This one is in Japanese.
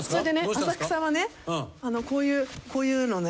浅草はねこういうこういうのね。